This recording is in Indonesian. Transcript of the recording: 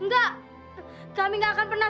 enggak kami gak akan pernah